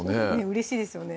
うれしいですよね